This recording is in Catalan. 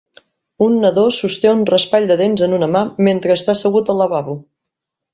Un nadó sosté un raspall de dents en una mà mentre està assegut al lavabo.